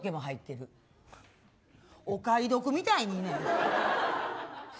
お買い得みたいに言うなよ。